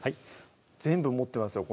全部持ってますよ